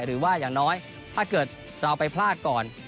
หรือว่าอย่างน้อยถ้าเกิดเราไปพลาดก่อน